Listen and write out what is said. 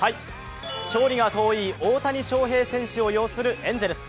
勝利が遠い大谷翔平選手を擁するエンゼルス。